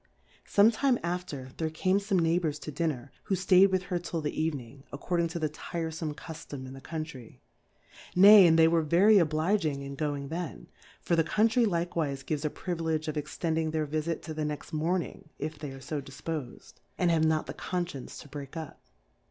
Some time after there came fome Neighbours to Dinner, who ftay'd with lier till the Evening, according to the tirefom Cu ftom in the Country ; nay, and they were very obliging in going tlien, for the Country likewife gives a Priviledge of extending their Vifit to the next Morning if they are fo dilpoicd^ and have 3 8 Difcourfes on the have not the Confcience to breakup.